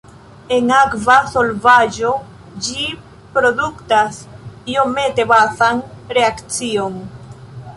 En akva solvaĵo ĝi produktas iomete bazan reakcion.